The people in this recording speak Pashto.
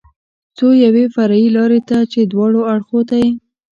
څو یوې فرعي لارې ته چې دواړو اړخو ته یې.